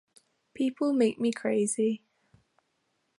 People make me crazy!